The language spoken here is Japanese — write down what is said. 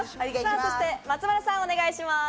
そして松丸さん、お願いします。